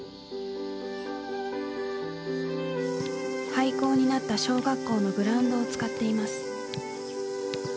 廃校になった小学校のグラウンドを使っています。